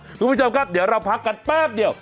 คุณผู้ชมครับเดี๋ยวเราพักกันแป๊บเดียว